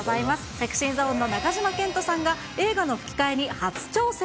ＳｅｘｙＺｏｎｅの中島健人さんが映画の吹き替えに初挑戦。